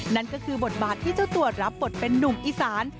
นั่นก็คือบทบาทที่เจ้าตัวรับบทเป็นนุ่มอีสาน